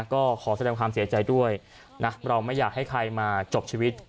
ก็ขอแสดงความเสียใจด้วยนะเราไม่อยากให้ใครมาจบชีวิต